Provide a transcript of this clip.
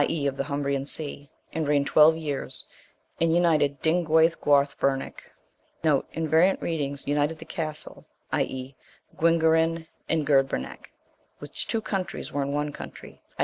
e. of the Humbrian sea, and reigned twelve years, and united* Dynguayth Guarth Berneich. * V.R. United the castle, i.e. Dinguerin and Gurdbernech, which two countries were in one country, i.